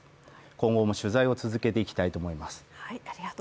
今後も取材を続けていきたいと思います。